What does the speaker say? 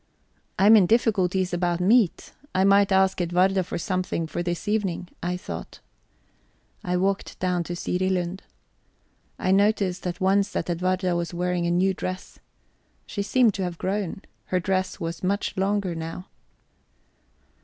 "I am in difficulties about meat; I might ask Edwarda for something for this evening," I thought. I walked down to Sirilund. I noticed at once that Edwarda was wearing a new dress. She seemed to have grown; her dress was much longer now.